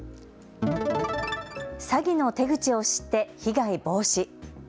詐欺の手口を知って被害防止。